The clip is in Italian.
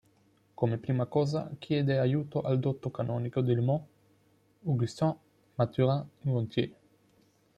Come prima cosa, chiede aiuto al dotto canonico di Le Mans, Augustin-Mathurin Gontier.